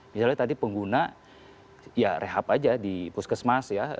misalnya tadi pengguna ya rehab aja di puskesmas ya